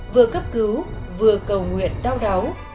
vừa cấp cứu vừa cầu nguyện đau đáu